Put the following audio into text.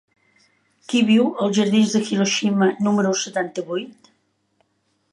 Qui viu als jardins d'Hiroshima número setanta-vuit?